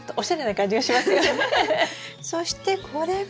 そしてこれが。